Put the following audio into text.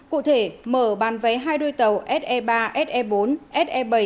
cụ thể mở bán vé hai đôi tàu se ba se bốn se bảy